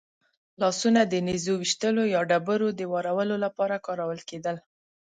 لاسونه د نېزو ویشتلو یا ډبرو د وارولو لپاره کارول کېدل.